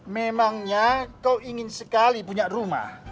memangnya kau ingin sekali punya rumah